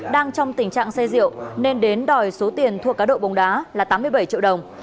đang trong tình trạng say rượu nên đến đòi số tiền thuộc cá độ bóng đá là tám mươi bảy triệu đồng